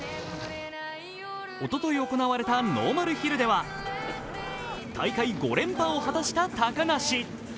おととい行われたノーマルヒルでは大会５連覇を果たした高梨。